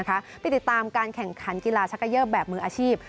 ติดตามการแข่งขันกีฬาชักเกยอร์แบบมืออาชีพ